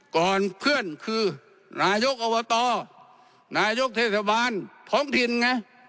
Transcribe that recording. ก่อนเพื่อนคือนายกอบตนายกเทศบาลท้องถิ่นไง